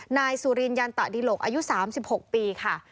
นายสุรินยันตะดิหลกอายุ๓๖ปีค่ะ